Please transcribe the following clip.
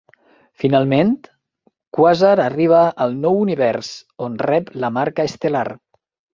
Finalment, Quasar arriba al Nou Univers, on rep la Marca Estel·lar.